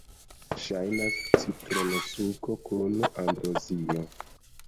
Ŝajnas citronsuko kun ambrozio.